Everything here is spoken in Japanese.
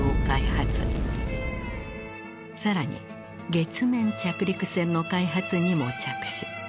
更に月面着陸船の開発にも着手。